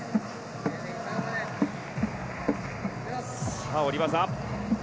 さぁ下り技。